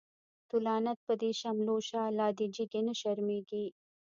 تو لعنت په دی شملو شه، لادی جگی نه شرمیږی